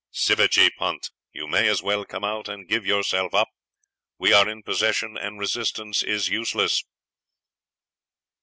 "'Sivajee Punt! you may as well come out and give yourself up! We are in possession, and resistance is useless!'